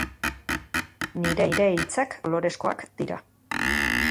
Nire hitzak kolorezkoak dira